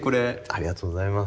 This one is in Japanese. ありがとうございます。